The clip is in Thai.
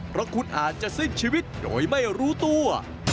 เพราะคุณอาจจะสิ้นชีวิตโดยไม่รู้ตัว